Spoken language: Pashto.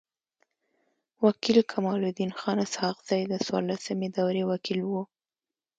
و کيل کمال الدین خان اسحق زی د څوارلسمي دوری وکيل وو.